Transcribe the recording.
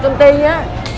công ty á